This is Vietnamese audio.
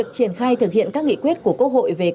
chuyên đề hai